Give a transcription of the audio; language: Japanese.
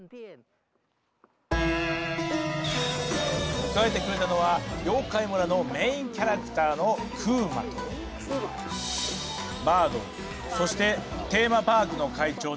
迎えてくれたのは妖怪村のメインキャラクターのそしてテーマパークの会長の林だ。